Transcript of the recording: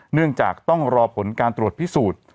เนื่องจากต้องรอผลการตรวจพิสูจน์